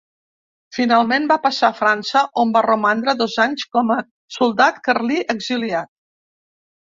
Finalment va passar a França on va romandre dos anys com a soldat carlí exiliat.